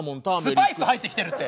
スパイス入ってきてるって。